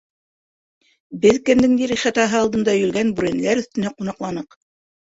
Беҙ кемдеңдер ихатаһы алдында өйөлгән бүрәнәләр өҫтөнә ҡунаҡланыҡ.